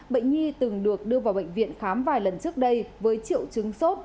bệnh nhi từng được đưa vào bệnh viện khám vài lần trước đây với triệu chứng sốt